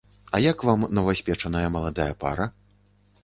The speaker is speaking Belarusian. А як вам новаспечаная маладая пара?